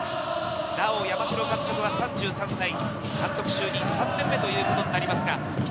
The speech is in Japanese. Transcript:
なお、山城監督は３３歳、監督就任３年目ということになります。